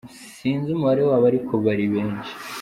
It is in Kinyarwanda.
Sinzi umubare wabo ariko bari benshi.